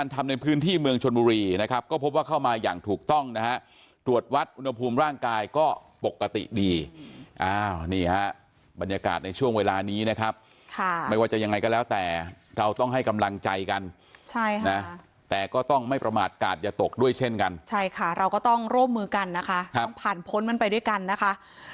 ทำในพื้นที่เมืองชนบุรีนะครับก็พบว่าเข้ามาอย่างถูกต้องนะฮะตรวจวัดอุณหภูมิร่างกายก็ปกติดีอ้าวนี่ฮะบรรยากาศในช่วงเวลานี้นะครับค่ะไม่ว่าจะยังไงก็แล้วแต่เราต้องให้กำลังใจกันใช่ค่ะนะแต่ก็ต้องไม่ประมาทกาศอย่าตกด้วยเช่นกันใช่ค่ะเราก็ต้องร่วมมือกันนะคะต้องผ่านพ้นมันไปด้วยกันนะคะ